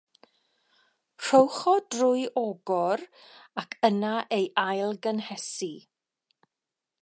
Rhowch o drwy ogor, ac yna ei ail-gynhesu.